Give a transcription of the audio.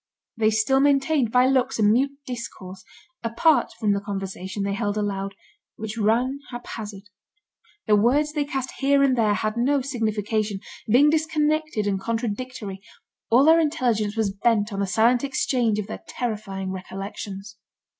They still maintained by looks a mute discourse, apart from the conversation they held aloud, which ran haphazard. The words they cast here and there had no signification, being disconnected and contradictory; all their intelligence was bent on the silent exchange of their terrifying recollections.